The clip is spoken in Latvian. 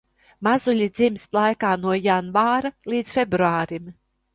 Mazuļi dzimst laikā no janvāra līdz februārim.